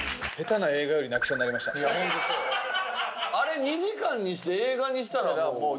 あれ２時間にして映画にしたらもう。